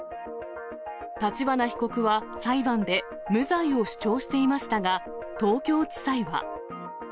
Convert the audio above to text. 立花被告は裁判で無罪を主張していましたが、東京地裁は。